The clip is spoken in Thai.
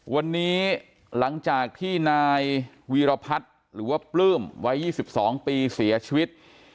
วันนี้หลังจากที่นายวีรพัฒน์หรือว่าปลื้มวัย๒๒ปีเสียชีวิต